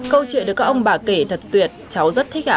câu chuyện được các ông bà kể thật tuyệt cháu rất thích ạ